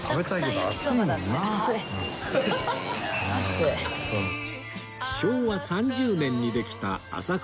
昭和３０年にできた浅草地下街